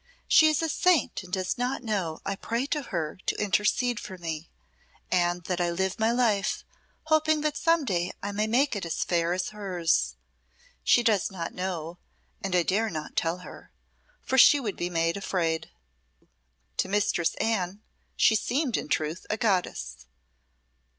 "She is a saint and does not know I pray to her to intercede for me, and that I live my life hoping that some day I may make it as fair as hers. She does not know, and I dare not tell her, for she would be made afraid." To Mistress Anne she seemed in truth a goddess.